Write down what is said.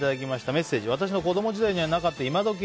メッセージ私の子供時代にはなかった今どき